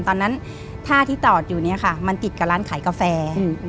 ตอนนั้นท่าที่จอดอยู่เนี่ยค่ะมันติดกับร้านขายกาแฟ